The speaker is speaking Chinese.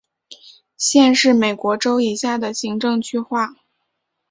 县是美国州以下的行政区划。